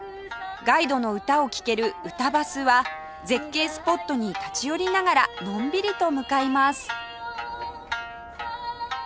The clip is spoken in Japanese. ガイドの歌を聴けるうたばすは絶景スポットに立ち寄りながらのんびりと向かいます